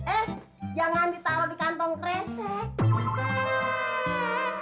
eh jangan ditaruh di kantong kresek